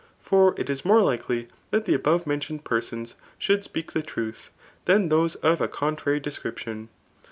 tor it is more likely ihat die above mentioned persons ^ould speak the trtidi, dtan those of a contrary description.